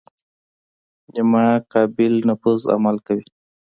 نیمه قابل نفوذ عمل کوي.